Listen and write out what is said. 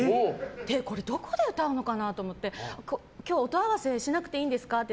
これどこで歌うのかなと思って今日、音合わせしなくていいんですかって。